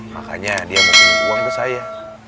makanya dia mau kirim uang ke saya